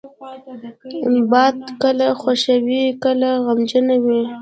باد کله خوښ وي، کله غمجنه وي